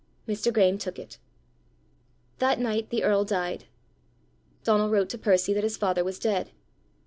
Mr. Graeme took it. That night the earl died. Donal wrote to Percy that his father was dead.